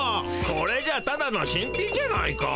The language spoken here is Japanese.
これじゃあただの新品じゃないか。